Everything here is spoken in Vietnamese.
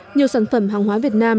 nhiều sản phẩm hàng hóa việt nam